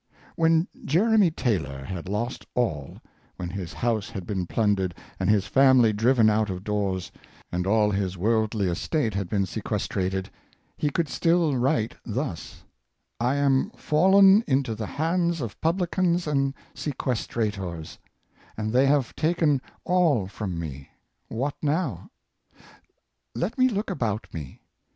When Jeremy Taylor had lost all — when his house had been plundered, and his family driven out of doors, and all his worldly estate had been sequestrated — he could still write thus: "I am fallen into the hands of publicans and sequestrators, and they have taken all from me; what now.^ Let me look about me.